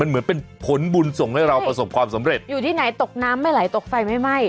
เหมือนเป็นผลบุญส่งให้เราประสบความสำเร็จอยู่ที่ไหนตกน้ำไม่ไหลตกไฟไม่ไหม้